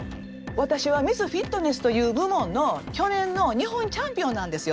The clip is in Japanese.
私はミスフィットネスという部門の去年の日本チャンピオンなんですよ。